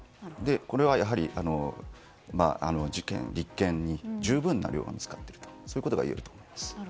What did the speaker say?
これはやはり、事件立件に十分な量が見つかっているとそういうことがいえると思います。